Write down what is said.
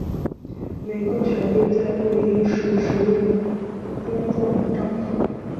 每个小队在露营时使用钟状帐篷。